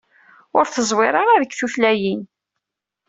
Ur teẓwir ara deg tutlayin.